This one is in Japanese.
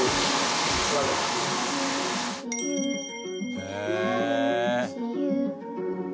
へえ！